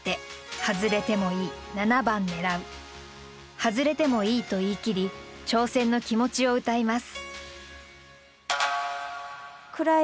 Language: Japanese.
「外れてもいい」と言い切り挑戦の気持ちをうたいます。